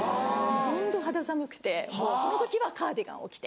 ホント肌寒くてもうその時はカーディガンを着て。